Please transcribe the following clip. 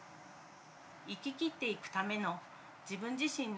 生ききっていくための自分自身の。